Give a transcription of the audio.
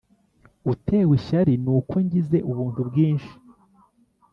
utewe ishyari n’uko ngize Ubuntu bwinshi